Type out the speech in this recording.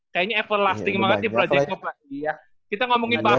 kayaknya everlasting banget nih project pop lagi ya